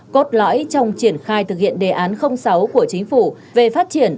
cốt lõi trong triển khai thực hiện đề án sáu của chính phủ về phát triển